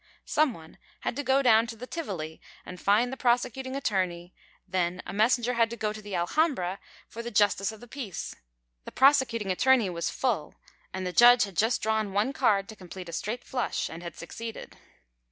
Someone had to go down to "The Tivoli" and find the prosecuting attorney, then a messenger had to go to "The Alhambra" for the justice of the peace. The prosecuting attorney was "full" and the judge had just drawn one card to complete a straight flush, and had succeeded.